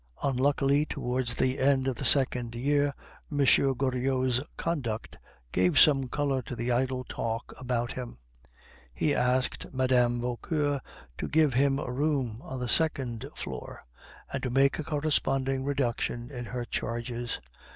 Unluckily, towards the end of the second year, M. Goriot's conduct gave some color to the idle talk about him. He asked Mme. Vauquer to give him a room on the second floor, and to make a corresponding reduction in her charges.